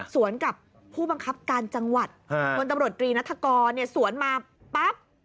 สวนกับผู้บังคับการจังหวัดพลตำรวจตรีนัฐกรสวนมาปั๊บ